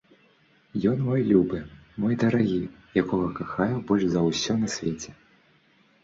Ён мой любы, мой дарагі, якога кахаю больш за ўсё на свеце.